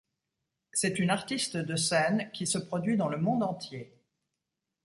C'est une artiste de scène qui se produit dans le monde entier.